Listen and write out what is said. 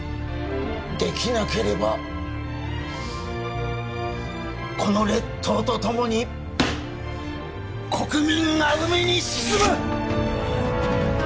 できなければこの列島とともに国民が海に沈む！